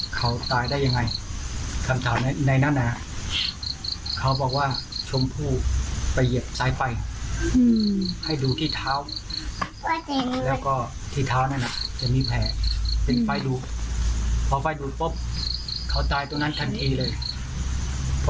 ความร้อนของไฟริดแรงมากเพราะเขาตัวเล็ก